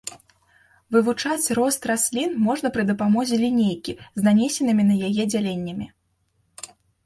Вывучаць рост раслін можна пры дапамозе лінейкі з нанесенымі на яе дзяленнямі.